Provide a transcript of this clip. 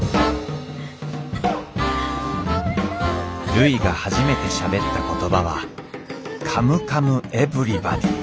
るいが初めてしゃべった言葉は「カムカムエヴリバディ」でした